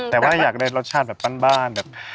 แต่ว่าอยากได้รสชาติแบบบ้านแบบ